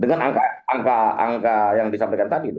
dengan angka angka yang disampaikan tadi